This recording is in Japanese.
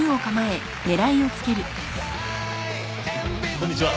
こんにちは。